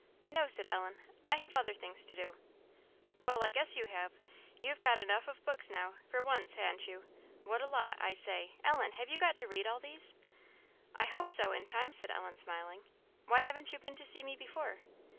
"No," said Ellen, "I have other things to do." "Well, I guess you have. You've got enough of books now, for once, han't you? What a lot! I say, Ellen, have you got to read all these?" "I hope so, in time," said Ellen, smiling. "Why haven't you been to see me before?"